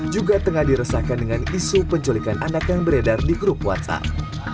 juga tengah diresahkan dengan isu penculikan anak yang beredar di grup whatsapp